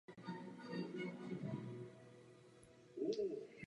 O šest let později se rozvedli.